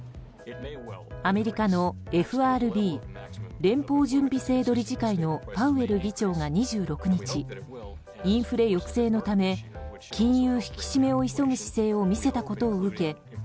アメリカのＦＲＢ・連邦準備制度理事会のパウエル議長が２６日インフレ抑制のため金融引き締めを急ぐ姿勢を見せたことを受け